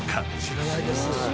知らないです。